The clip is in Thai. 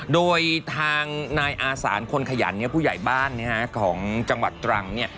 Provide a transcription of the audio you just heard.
โดยทางนายอาสานคนขยันเนี่ยผู้ใหญ่บ้านของจังหวัดตรังเนี่ย